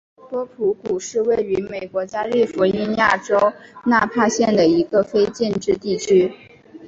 波普谷是位于美国加利福尼亚州纳帕县的一个非建制地区。